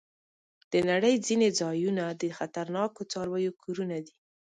د نړۍ ځینې ځایونه د خطرناکو څارويو کورونه دي.